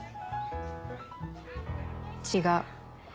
違う。